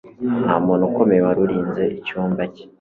Nta muntu ukomeye wari urinze icyumba cye.